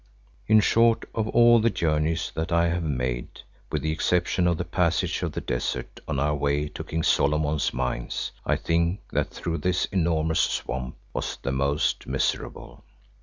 In short, of all the journeys that I have made, with the exception of the passage of the desert on our way to King Solomon's Mines, I think that through this enormous swamp was the most miserable.